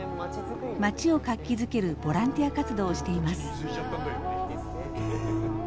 町を活気づけるボランティア活動をしています。